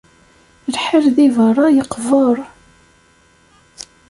Lḥal di berra yeqbeṛ.